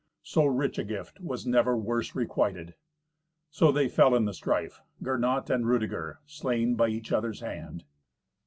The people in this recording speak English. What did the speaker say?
So rich a gift was never worse requited. So they fell in the strife—Gernot and Rudeger—slain by each other's hand.